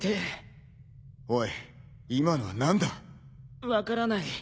おい今のは何だ？分からない。